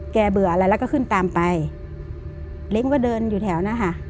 เบื่ออะไรแล้วก็ขึ้นตามไปลิ้มก็เดินอยู่แถวนะคะ